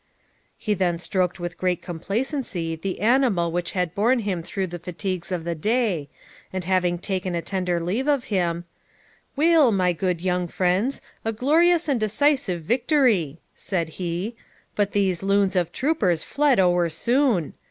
He then stroked with great complacency the animal which had borne him through the fatigues of the day, and having taken a tender leave of him ' Weel, my good young friends, a glorious and decisive victory,' said he; 'but these loons of troopers fled ower soon.